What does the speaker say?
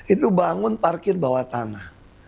itu bangun parkir bawah tanah